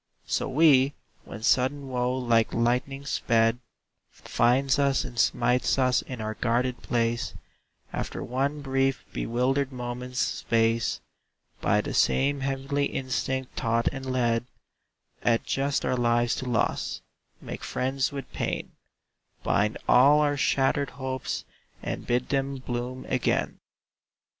So we, when sudden woe like lightning sped, Finds us and smites us in our guarded place, After one brief, bewildered moment's space, By the same heavenly instinct taught and led, Adjust our lives to loss, make friends with pain, Bind all our shattered hopes and bid them bloom again.